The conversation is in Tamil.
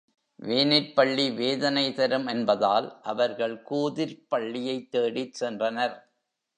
வேனிற்பள்ளி வேதனை தரும் என்பதால் அவர்கள் கூதிர்ப் பள்ளியைத் தேடிச் சென்றனர்.